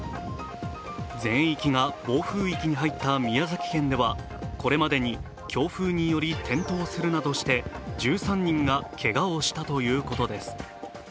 全域が暴風域に入った宮崎県ではこれまでに強風により転倒するなどして１３人がけがをしたということです。